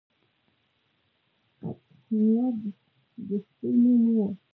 قطمیر د سپي نوم و.